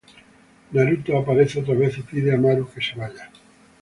Naruto aparece otra vez y pide Amaru que se vaya.